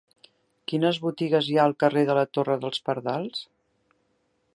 Quines botigues hi ha al carrer de la Torre dels Pardals?